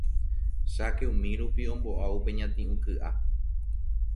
Cháke umírupi ombo'a upe ñati'ũ ky'a